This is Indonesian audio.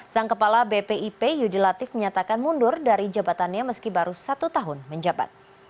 sang kepala bpip yudi latif menyatakan mundur dari jabatannya meski baru satu tahun menjabat